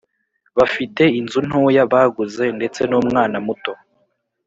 bafite inzu ntoya baguze, ndetse n’umwana muto.